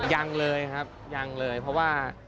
ยังเลยครับยังเลยเพราะว่า